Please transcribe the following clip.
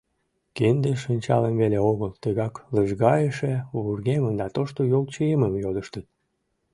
Кинде-шинчалым веле огыл, тыгак лыжгайыше вургемым да тошто йолчиемым йодыштыт.